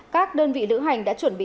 các đơn vị lữ hành đã chuẩn bị